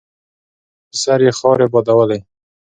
په سر یې خاورې بادولې.